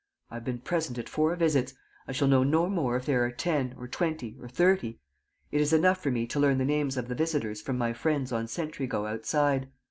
"I have been present at four visits. I shall know no more if there are ten, or twenty, or thirty.... It is enough for me to learn the names of the visitors from my friends on sentry go outside.